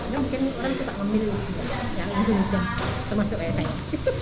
ya mungkin orang bisa tak memilih yang musim hujan termasuk kayak saya